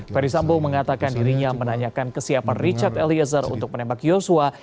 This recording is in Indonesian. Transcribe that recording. ferdisambo mengatakan dirinya menanyakan kesiapan richard eliezer untuk menembak yosua